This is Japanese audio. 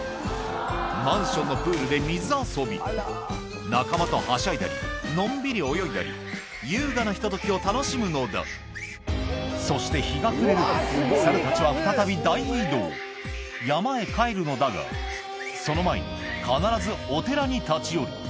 マンションのプールで水遊び仲間とはしゃいだりのんびり泳いだり優雅なひとときを楽しむのだそして日が暮れるとサルたちは再び大移動山へ帰るのだがその前に必ずお寺に立ち寄る